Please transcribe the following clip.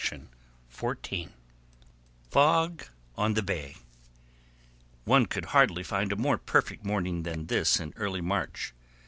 Fog on the Bay One could hardly find a more perfect morning than this in early March.